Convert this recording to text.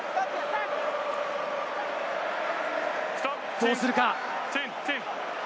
どうするか？